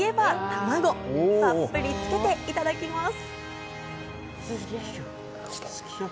たっぷりとつけていただきます。